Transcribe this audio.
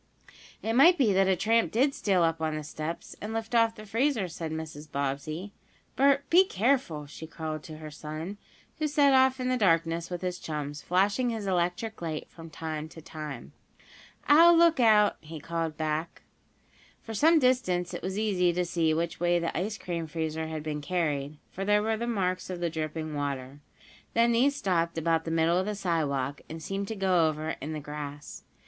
"It might be that a tramp did steal up on the steps, and lift off the freezer," said Mrs. Bobbsey. "Bert, be careful," she called to her son, who set off in the darkness with his chums, flashing his electric light from time to time. "I'll look out!" he called back. For some distance it was easy to see which way the ice cream freezer had been carried, for there were the marks of the dripping water. Then these stopped about the middle of the sidewalk, and seemed to go over in the grass.